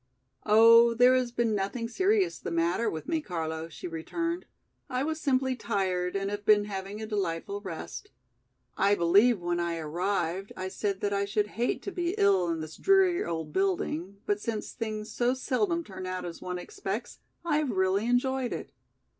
"Oh, there has been nothing serious the matter with me, Carlo," she returned. "I was simply tired and have been having a delightful rest. I believe when I arrived I said that I should hate to be ill in this dreary old building, but since things so seldom turn out as one expects I have really enjoyed it.